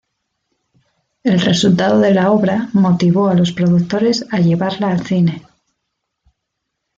El resultado de la obra motivó a los productores a llevarla al cine.